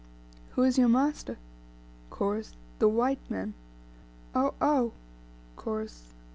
Who is your master? Chorus. The White Man. Ough! Ough! Chorus.